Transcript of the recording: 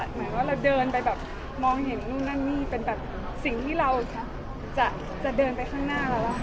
เหมือนว่าเราเดินไปแบบมองเห็นนู่นนั่นนี่เป็นแบบสิ่งที่เราจะเดินไปข้างหน้าเรา